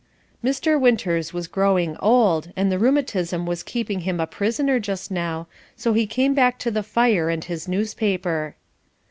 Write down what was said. Mr. Winters was growing old, and the rheumatism was keeping him a prisoner just now, so he came back to the fire and his newspaper.